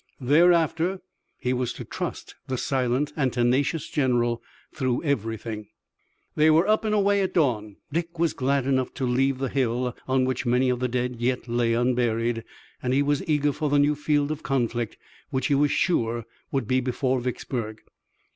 Thereafter he was to trust the silent and tenacious general through everything. They were up and away at dawn. Dick was glad enough to leave the hill, on which many of the dead yet lay unburied, and he was eager for the new field of conflict, which he was sure would be before Vicksburg.